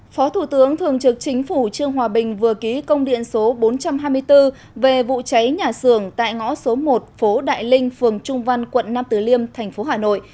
phó thủ tướng thường trực chính phủ trương hòa bình vừa ký công điện số bốn trăm hai mươi bốn về vụ cháy nhà xưởng tại ngõ số một phố đại linh phường trung văn quận nam tử liêm thành phố hà nội